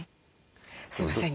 すいません